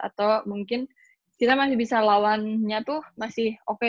atau mungkin kita masih bisa lawannya tuh masih oke